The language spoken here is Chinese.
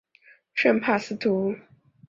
圣帕斯图。